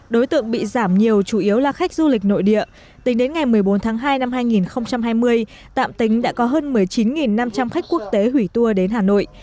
đối tượng bị giảm nhiều chủ yếu là khách du lịch nội địa tính đến ngày một mươi bốn tháng hai năm hai nghìn hai mươi tạm tính đã có hơn một mươi chín năm trăm linh khách quốc tế hủy tour đến hà nội